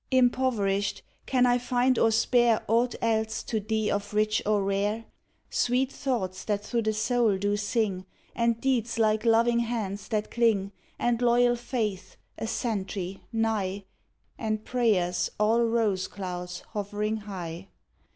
Impoverished, can I find or spare Aught else to thee of rich or rare? Sweet thoughts that through the soul do sing, And deeds like loving hands that cling, And loyal faith a sentry nigh, And prayers all rose clouds hovering high?